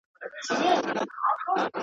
چي هم له ګل او هم له خاره سره لوبي کوي.